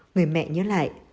người mẹ nhớ lại